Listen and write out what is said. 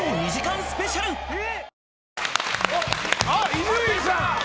伊集院さん！